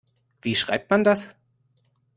Wie schreibt man das?